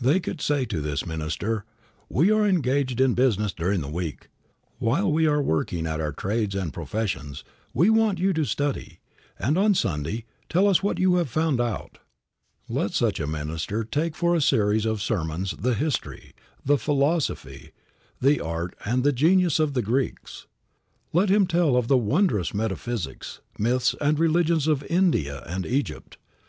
They could say to this minister: "We are engaged in business during the week; while we are working at our trades and professions, we want you to study, and on Sunday tell us what you have found out." Let such a minister take for a series of sermons the history, the philosophy, the art and the genius of the Greeks. Let him tell of the wondrous metaphysics, myths and religions of India and Egypt.